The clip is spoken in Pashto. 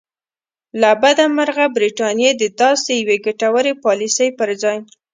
له بده مرغه برټانیې د داسې یوې ګټورې پالیسۍ پر ځای.